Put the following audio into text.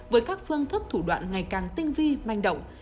với các phương thức thủ đoạn ngày càng tinh vi manh động